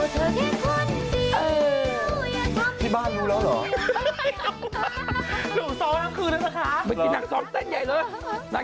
จะมีเพียงเธอเท่านั้น